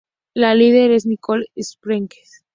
La líder es Nicole Scherzinger.